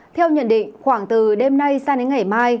theo nhận định khoảng từ đêm nay sang đến ngày mai